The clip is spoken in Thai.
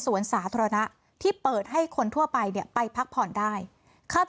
สาธารณะที่เปิดให้คนทั่วไปเนี่ยไปพักผ่อนได้คาด